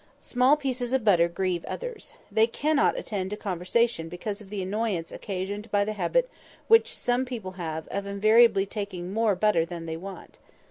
Small pieces of butter grieve others. They cannot attend to conversation because of the annoyance occasioned by the habit which some people have of invariably taking more butter than they want.